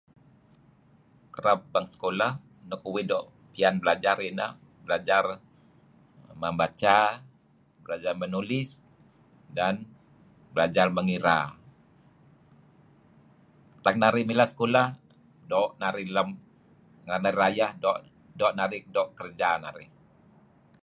Kereb bang sekolah nuk uih doo' piyan belajar ineh belajar membaca beljar menulis dan belajar mengira. Tak narih mileh sekolah doo' narih lem renga' narih rayeh doo' narih doo' kerja narih.